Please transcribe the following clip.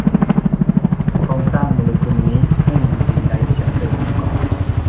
โครงสร้างโมเลกุลนี้ไม่เหมือนสิ่งใดที่ฉันเคยเห็นมาก่อน